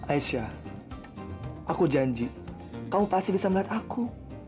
aisyah aku janji kamu pasti bisa melihat aku